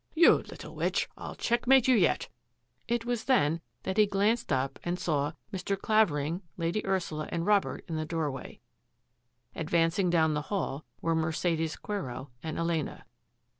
" You little witch, I'll checkmate you yet !" It was then that he glanced up and saw Mr. Clavering, Lady Ursula, and Robert in the door way. Advancing down the hall were Mercedes Quero and Elena.